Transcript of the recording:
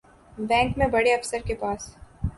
bank میں بڑے افسر کے پاس